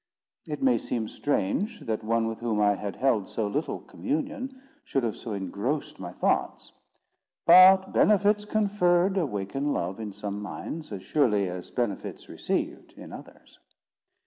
It may seem strange that one with whom I had held so little communion should have so engrossed my thoughts; but benefits conferred awaken love in some minds, as surely as benefits received in others.